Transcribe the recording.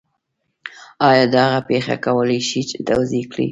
آیا دغه پېښه کولی شئ توضیح کړئ؟